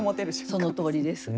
そのとおりです。